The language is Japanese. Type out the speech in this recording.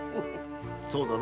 そうだろ。